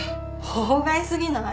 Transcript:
法外過ぎない？